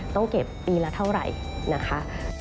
ต้องเก็บปีละเท่าไหร่นะคะ